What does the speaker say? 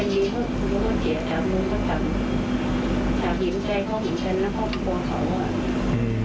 นั่งหน้าสตรายเหมือนพ่อพ่อก็ไม่เห็นใจเขาอยู่